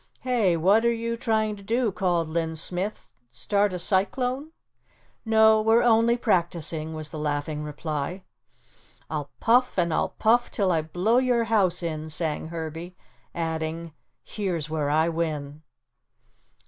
"Hey, what are you trying to do," called Linn Smith, "start a cyclone?" "No, we're only practising," was the laughing reply. "I'll puff, and I'll puff 'till I blow your house in," sang Herbie, adding, "here's where I win."